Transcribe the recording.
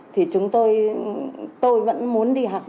thì chúng tôi tôi vẫn muốn đi học